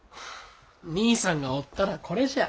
兄さんがおったらこれじゃあ。